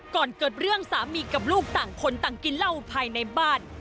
ก่อนเกิดเรื่องสามีกับลูกต่างคนต่างกินเหล้าภายในบ้าน